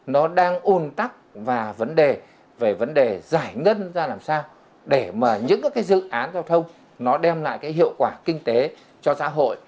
nó đang ôn tắc và vấn đề về vấn đề giải ngân ra làm sao để mà những cái dự án giao thông nó đem lại cái hiệu quả kinh tế cho xã hội